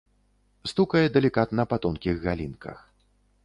Стукае далікатна па тонкіх галінках.